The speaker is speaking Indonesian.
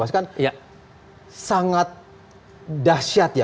mas kan sangat dahsyat ya